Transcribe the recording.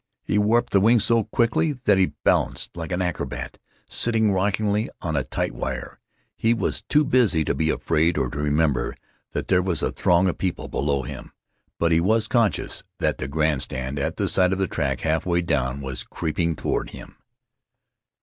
He warped the wings so quickly that he balanced like an acrobat sitting rockingly on a tight wire. He was too busy to be afraid or to remember that there was a throng of people below him. But he was conscious that the grand stand, at the side of the track, half way down, was creeping toward him.